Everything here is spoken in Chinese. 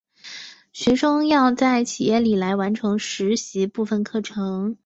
学生要在企业里来完成实习部分课程。